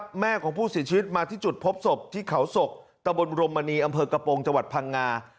แม่ของผู้เสียชีวิตมาที่จุดพบศพที่เขาศกตะบนรมมณีอำเภอกระโปรงจังหวัดพังงา